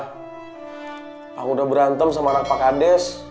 iya pak alamut salah udah berantem sama anak pak hades sampai